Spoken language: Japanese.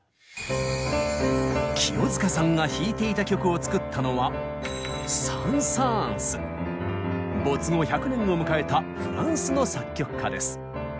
清塚さんが弾いていた曲を作ったのは没後１００年を迎えたフランスの作曲家です。